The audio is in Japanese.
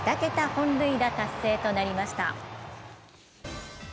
本塁打達成となりました。